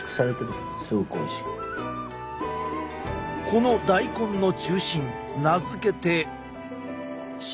この大根の中心名付けて。